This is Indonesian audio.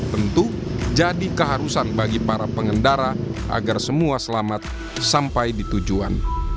tentu jadi keharusan bagi para pengendara agar semua selamat sampai di tujuan